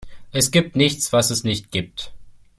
Es gibt nichts, was es nicht gibt.